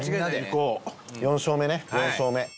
塙：４勝目ね、４勝目。